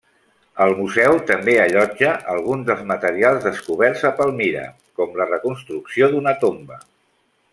El museu també allotja alguns dels materials descoberts a Palmira, com la reconstrucció d'una tomba.